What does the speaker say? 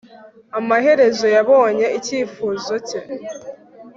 amaherezo yabonye icyifuzo cye